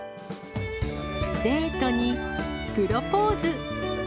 デートに、プロポーズ。